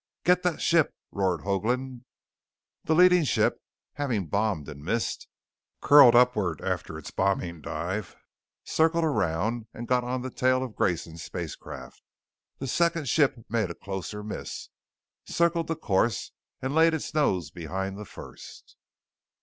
"Get that ship!" roared Hoagland. The leading ship, having bombed and missed, curled upward after its bombing dive, circled around and got on the tail of Grayson's spacecraft. The second ship made a closer miss, circled the course and laid its nose behind the first.